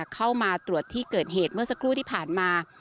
เข้ามาตรวจที่เกิดเหตุเมื่อสักครู่ที่ผ่านมา